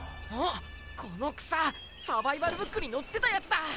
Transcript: あっこのくさサバイバルブックにのってたやつだ！